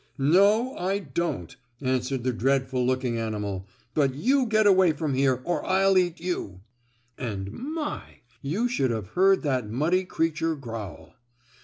"No, I don't," answered the dreadful looking animal. "But you get away from here or I'll eat you!" And, my! you should have heard that muddy creature growl.